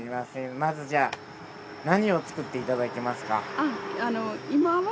まずじゃあ何を作っていただけますか？